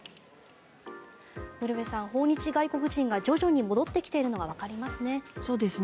ウルヴェさん、訪日外国人が徐々に戻ってきているのがわかりますね。